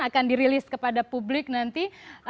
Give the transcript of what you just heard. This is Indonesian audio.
akan dirilis kepada publik nanti